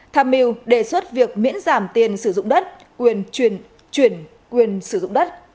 tham mưu đề xuất việc miễn giảm tiền sử dụng đất quyền chuyển quyền sử dụng đất